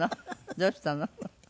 どうしたの？